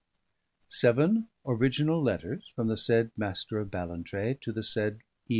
Seven original letters from the said M^r of Ballantrae to the said E.